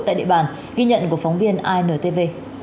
tại địa bàn ghi nhận của phóng viên intv